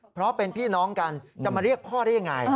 เพราะเป็นพี่น้องกันจะมาเรียกพ่อได้ยังไง